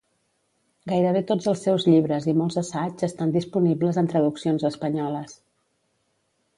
Gairebé tots els seus llibres i molts assaigs estan disponibles en traduccions espanyoles.